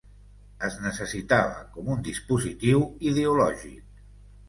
Es necessitava com un dispositiu ideològic.